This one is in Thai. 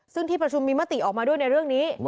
ซึ่งที่ประชุมมีมติออกมาด้วยในเรื่องนี้